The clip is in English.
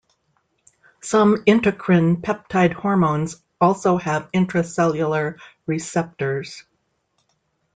Some intracrine peptide hormones also have intracellular receptors.